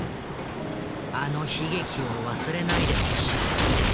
あの悲劇を忘れないでほしい。